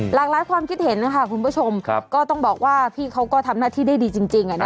หลายความคิดเห็นนะคะคุณผู้ชมก็ต้องบอกว่าพี่เขาก็ทำหน้าที่ได้ดีจริง